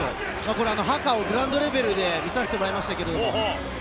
ハカをグラウンドレベルで見させてもらいました。